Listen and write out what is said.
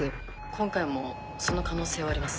今回もその可能性はあります。